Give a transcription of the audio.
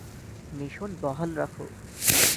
Mission বহাল রাখ!